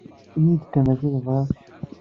Ini-yi-d kan d acu tebɣiḍ.